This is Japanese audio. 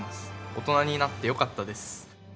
大人になってよかったです。